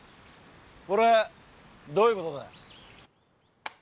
これどういうことだよ？